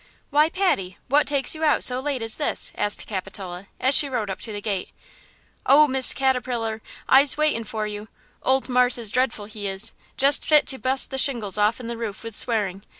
"Why, Patty, what takes you out so late as this?" asked Capitola, as she rode up to the gate. "Oh, Miss Catterpillar, I'se waitin' for you. Old marse is dreadful he is! Jest fit to bust the shingles offen the roof with swearing!